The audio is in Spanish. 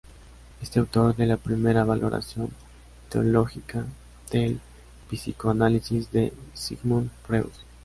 Es autor de la primera valoración teológica del psicoanálisis de Sigmund Freud.